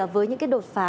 với những cái đột phá